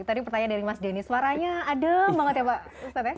tadi pertanyaan dari mas denny suaranya adem banget ya pak ustadz ya